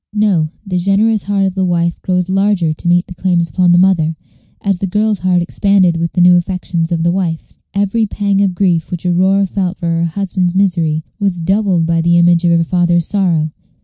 No; the generous heart of the wife grows larger to meet the claims upon the mother, as the girl's heart expanded with the new affections of the wife. Every pang of grief which Aurora felt for her husband's misery was doubled by the image of her father's sorrow.